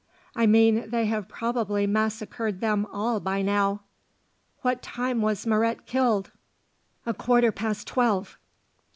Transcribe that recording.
"I mean they have probably massacred them all by now." "What time was Moret killed?" "A quarter past twelve."